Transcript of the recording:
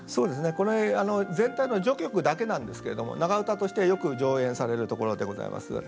これ全体の序曲だけなんですけれども長唄としてはよく上演されるところでございます。